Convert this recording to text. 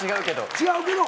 違うけど。